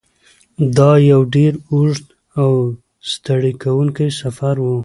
دا یو ډېر اوږد او ستړی کوونکی سفر و.